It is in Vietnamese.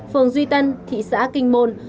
phường duy tân thị xã kinh môn